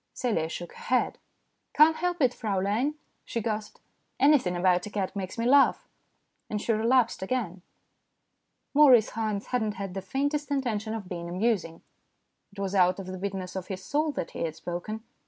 Celia shook her head. " Can't help it, Fraulein," she gasped. " Anything about a cat makes me laugh." And she relapsed again. Maurice Haynes had not had the faintest intention of being amusing. It was out of the bitterness of his soul that he had spoken.